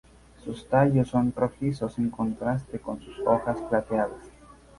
Sus tallos son rojizos en contraste con sus hojas plateadas.